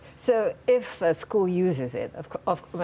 jadi jika sekolah menggunakannya